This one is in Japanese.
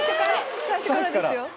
最初からですよ。